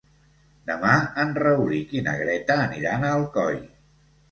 Demà en Rauric i na Greta aniran a Alcoi.